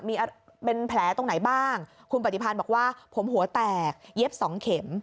มีเป็นแผลตรงไหนบ้างคุณปฏิพันธ์บอกว่าผมหัวแตกเย็บสองเข็ม